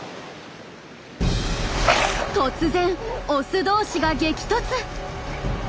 突然オス同士が激突！